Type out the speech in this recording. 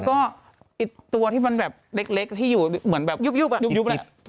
ก็ไอ้ตัวที่มันแบบเล็กที่อยู่เหมือนแบบยุบยุบ